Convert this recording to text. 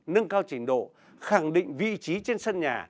nâng cao trình độ khẳng định vị trí trên sân nhà